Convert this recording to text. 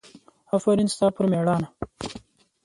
افرین ستا پر مېړانه!